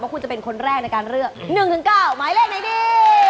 คุณจะเป็นคนแรกในการเลือก๑๙หมายเลขไหนดี